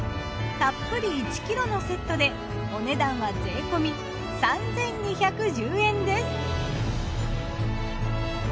たっぷり１ｋｇのセットでお値段は税込３，２１０円です。